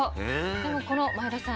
でもこの前田さん